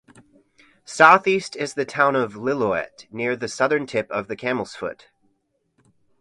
Southeast is the town of Lillooet, near the southern tip of the Camelsfoot.